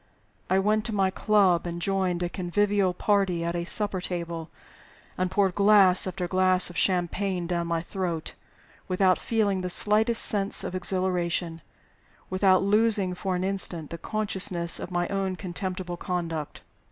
I went to my club, and joined a convivial party at a supper table, and poured glass after glass of champagne down my throat, without feeling the slightest sense of exhilaration, without losing for an instant the consciousness of my own contemptible conduct.